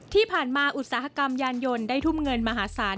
ที่ผ่านมาอุตสาหกรรมยานยนต์ได้ทุ่มเงินมหาศาล